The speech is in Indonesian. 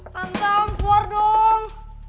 tante om keluar dong